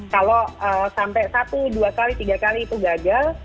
kalau sampai satu dua kali tiga kali itu gagal